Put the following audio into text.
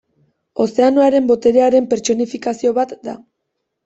Ozeanoaren boterearen pertsonifikazio bat da.